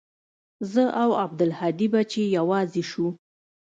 زه او عبدالهادي به چې يوازې سو.